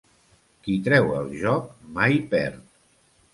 Qui treu el joc mai perd.